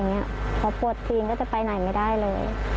พอปวดทีนก็จะไปไหนไม่ได้เลย